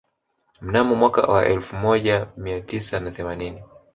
Mnamo mwaka wa elfu moja mai tisa na themanini